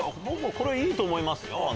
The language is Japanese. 僕はこれはいいと思いますよ。